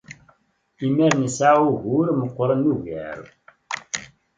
Imir-a, nesɛa ugur meɣɣren ugar.